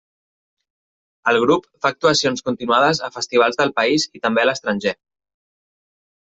El grup fa actuacions continuades a festivals del país i també a l'estranger.